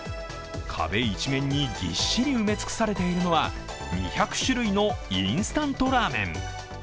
壁一面にぎっしり埋め尽くされているのは２００種類のインスタントラーメン。